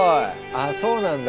あっそうなんだ。